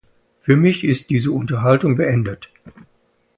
Für mich ist diese Unterhaltung beendet.